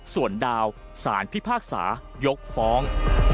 ส่วนดาวสารพิพากษายกฟ้อง